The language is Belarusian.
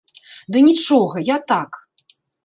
Ды нічога, я так.